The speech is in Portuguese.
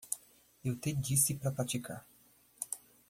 Eu te disse para praticar.